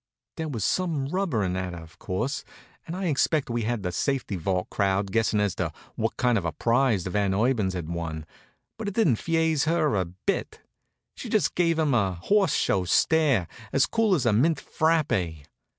There was some rubberin' at her, of course, and I expect we had the safety vault crowd guessin' as to what kind of a prize the Van Urbans had won, but it didn't feaze her a bit. She just gave 'em the Horse Show stare, as cool as a mint frappé.